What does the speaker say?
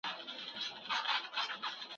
که څوک یوازې بازاري خوراک کوي.